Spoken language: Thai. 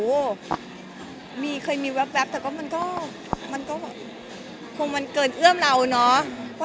โอ้โหมีเคยมีแว๊บแต่ก็มันก็คงมันเกินเอื้อมเราเนาะ